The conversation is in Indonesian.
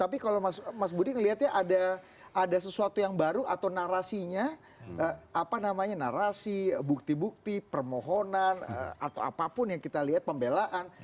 tapi kalau mas budi ngelihatnya ada sesuatu yang baru atau narasinya apa namanya narasi bukti bukti permohonan atau apapun yang kita lihat pembelaan